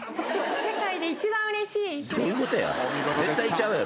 世界で一番うれしい日です！